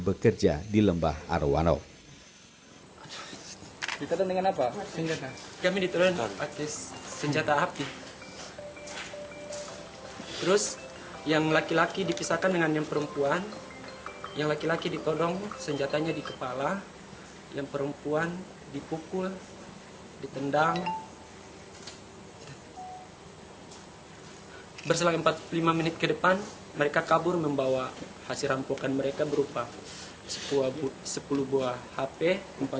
berselang empat puluh lima menit ke depan mereka kabur membawa hasil rampokan mereka berupa sepuluh buah hp